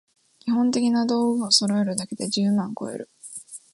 基本的な道具をそろえるだけで十万こえる